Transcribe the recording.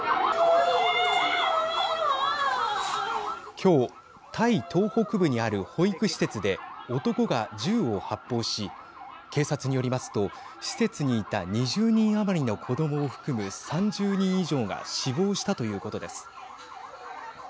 今日タイ東北部にある保育施設で男が銃を発砲し警察によりますと施設にいた２０人余りの子どもを含む３０人以上が死亡したということです。